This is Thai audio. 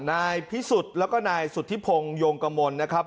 นายพิสุทธิ์แล้วก็นายสุธิพงศ์โยงกมลนะครับ